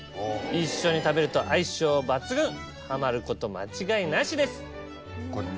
一緒に食べると相性抜群ハマること間違いなしです。